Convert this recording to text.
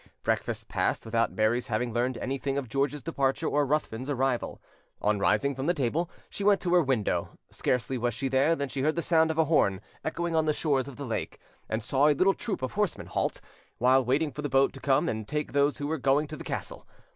Breakfast passed without Mary's having learned anything of George's departure or Ruthven's arrival. On rising from the table she went to her window: scarcely was she there than she heard the sound of a horn echoing on the shores of the lake, and saw a little troop of horsemen halt, while waiting for the boat to came and take those who were going to the castle.